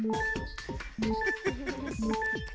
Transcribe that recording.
フフフフフ。